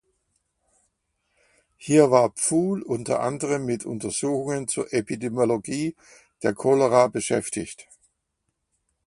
Hier war Pfuhl unter anderem mit Untersuchungen zur Epidemiologie der Cholera beschäftigt.